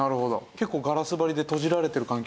結構ガラス張りで閉じられてる環境でしたけど。